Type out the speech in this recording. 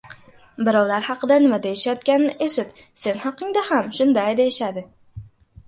• Birovlar haqida nima deyishayotganini eshit, sen haqingda ham shunday deyishadi.